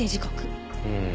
うん。